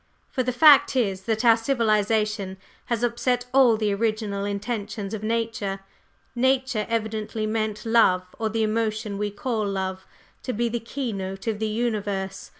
For the fact is that our civilization has upset all the original intentions of nature. Nature evidently meant Love, or the emotion we call Love, to be the keynote of the universe.